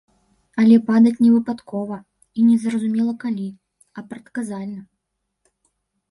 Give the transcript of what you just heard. Але падаць не выпадкова і незразумела калі, а прадказальна.